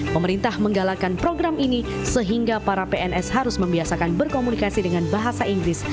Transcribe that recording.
pemerintah menggalakkan program ini sehingga para pns harus membiasakan berkomunikasi dengan bahasa inggris